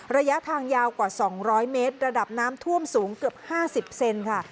ระยะทางยาวกว่าสองร้อยเมตรระดับน้ำท่วมสูงเกือบห้าสิบเซนค่ะ